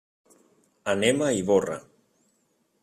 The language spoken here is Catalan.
Anem a Ivorra.